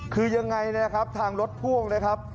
คือยังไงนะครับทางรถพ่วงนะครับ